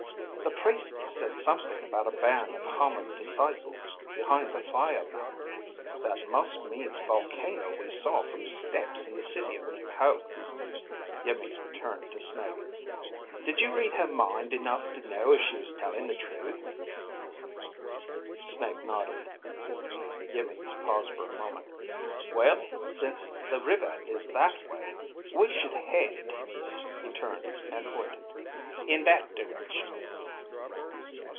"The Priestess said something about a band of Hama's disciples behind the fire mountain. That must mean the volcano we saw from the steps in the City of New Hope." Iimmi turned to Snake. "Did you read her mind enough to know if she was telling the truth?" Snake nodded. Iimmi paused for a moment. "Well, since the river is that way, we should head," he turned and pointed, "... in that direction."